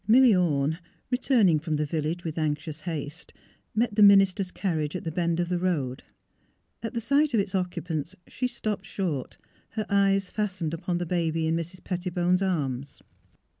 Milly Orne, returning from the village with an5;ious haste, met the minister's carriage at the 294 THE HEART OF PHILURA bend of the road. At sight of its occupants she stopped short, her eyes fastened upon the baby in Mrs. Pettibone's arms.